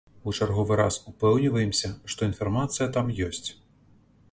У чарговы раз упэўніваемся, што інфармацыя там ёсць.